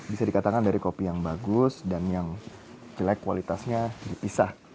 bisa dikatakan dari kopi yang bagus dan yang jelek kualitasnya dipisah